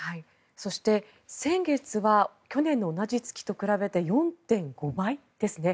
そして、先月は去年の同じ月と比べて４．５倍ですね。